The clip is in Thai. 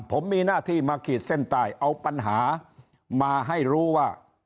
ผมมีหน้าที่มาขีดเส้นใต้เอาปัญหามาให้รู้ว่า